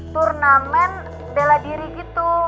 turnamen bela diri gitu